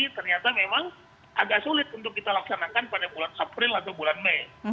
ternyata memang agak sulit untuk kita laksanakan pada bulan april atau bulan mei